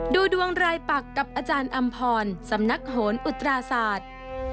ดูดวงรายปักกับอาจารย์อำพรสำนักโหนอุตราศาสตร์